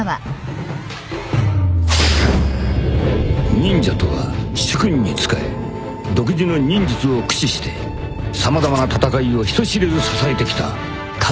［忍者とは主君に仕え独自の忍術を駆使して様々な戦いを人知れず支えてきた影の軍団である］